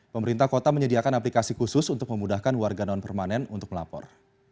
pemerintah kota menyediakan aplikasi khusus untuk memudahkan warga non permanen untuk melapor